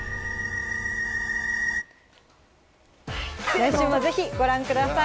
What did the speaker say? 来週もぜひご覧ください！